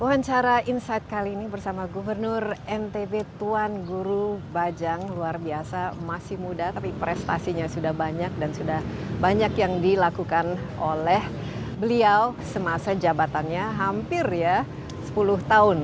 wawancara insight kali ini bersama gubernur ntb tuan guru bajang luar biasa masih muda tapi prestasinya sudah banyak dan sudah banyak yang dilakukan oleh beliau semasa jabatannya hampir ya sepuluh tahun